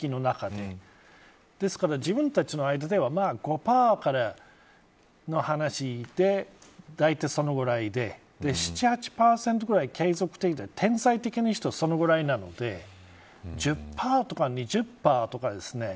ですから自分たちの間では５％からの話で大体、そのぐらいで７、８％くらい天才的に言うとぐらいなので１０％とか２０％とかですね